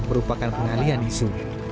merupakan pengalian isu